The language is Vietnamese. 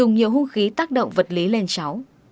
nhiều hung khí tác động vật lý lên cháu